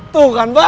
tuh kan muka lo